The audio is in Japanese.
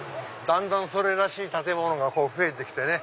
だんだんそれらしい建物が増えて来てね。